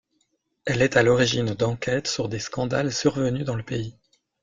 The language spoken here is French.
Elle est à l'origine d'enquêtes sur des scandales survenus dans le pays.